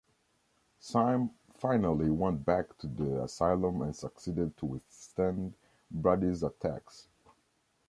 Sam finally went back to the asylum and succeeded to withstand Brady's attacks.